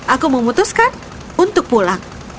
aku memutuskan untuk pulang